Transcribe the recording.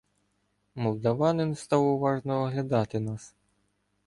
Молдаванин став уважно оглядати нас.